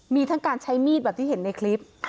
มีทั้งการใช้มีดแบบที่เห็นในคลิป